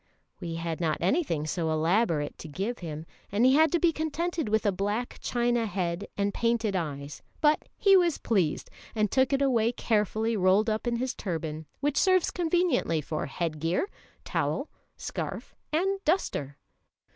We had not anything so elaborate to give him, and he had to be contented with a black china head and painted eyes; but he was pleased, and took it away carefully rolled up in his turban, which serves conveniently for head gear, towel, scarf, and duster.